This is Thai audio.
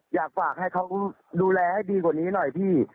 อยากฝากให้เขาดูแลให้ดีกว่านี้หน่อยพี่